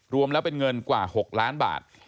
รวมแล้วเป็นเงินกว่า๖ล้านบาท